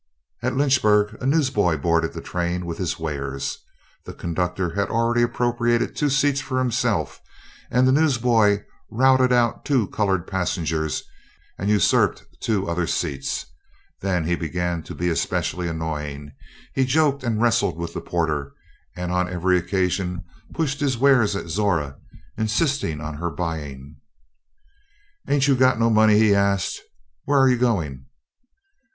At Lynchburg a newsboy boarded the train with his wares. The conductor had already appropriated two seats for himself, and the newsboy routed out two colored passengers, and usurped two other seats. Then he began to be especially annoying. He joked and wrestled with the porter, and on every occasion pushed his wares at Zora, insisting on her buying. "Ain't you got no money?" he asked. "Where you going?"